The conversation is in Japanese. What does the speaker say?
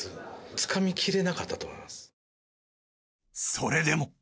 それでも。